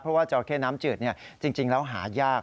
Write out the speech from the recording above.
เพราะว่าจราเข้น้ำจืดจริงแล้วหายาก